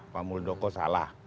pak muldoko salah